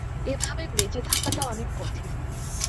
এভাবে বেঁচে থাকাটা অনেক কঠিন।